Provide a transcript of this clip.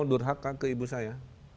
durhaka ke ibu saya